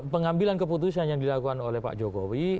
pengambilan keputusan yang dilakukan oleh pak jokowi